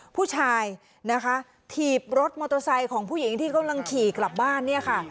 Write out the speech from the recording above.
ผู้ชายนะคะถีบรถมอเตอร์ไซค์ของผู้หญิงที่กำลังขี่กลับบ้านเนี่ยค่ะ